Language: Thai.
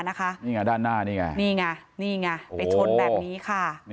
นี่ไงด้านหน้านี่ไงนี่ไงนี่ไงไปชนแบบนี้ค่ะ